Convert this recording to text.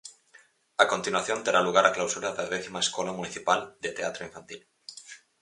A continuación, terá lugar a clausura da décima escola municipal de teatro infantil.